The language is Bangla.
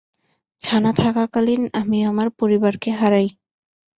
ছানা থাকাকালীন, আমি আমার পরিবারকে হারাই।